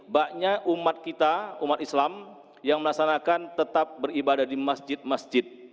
banyak umat kita umat islam yang melaksanakan tetap beribadah di masjid masjid